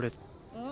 うん。